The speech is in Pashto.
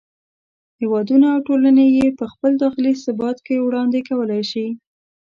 هېوادونه او ټولنې یې په خپل داخلي ثبات کې وړاندې کولای شي.